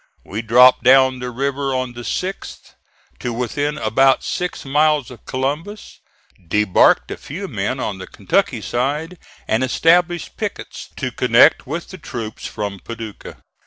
We dropped down the river on the 6th to within about six miles of Columbus, debarked a few men on the Kentucky side and established pickets to connect with the troops from Paducah.